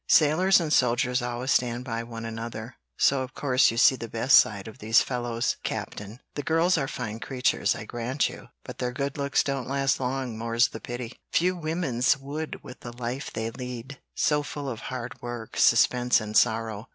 "Sailors and soldiers always stand by one another; so of course you see the best side of these fellows, Captain. The girls are fine creatures, I grant you; but their good looks don't last long, more's the pity!" "Few women's would with the life they lead, so full of hard work, suspense, and sorrow.